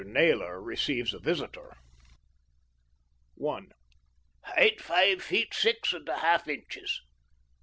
NAYLOR RECEIVES A VISITOR I "Height five feet six and a half inches."